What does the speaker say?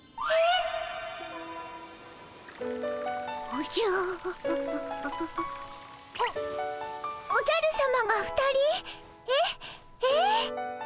おおじゃるさまが２人？え？え？